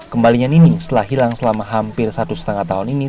kembalinya nining setelah hilang selama hampir satu setengah tahun ini